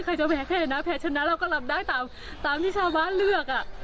ใครจะแพ้ใครชนะแพ้ชนะเราก็รับได้ตามที่ชาวบ้านเลือกอ่ะ